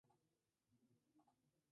Al final terminó perdiendo la partida.